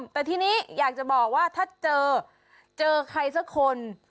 แต่ทีนี้อยากจะบอกว่าถ้าเจอเจอใครสักคน